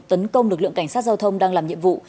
tấn công lực lượng cảnh sát giao thông đang làm nhiệm vụ